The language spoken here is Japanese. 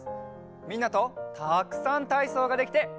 みんなとたくさんたいそうができてうれしかったよ！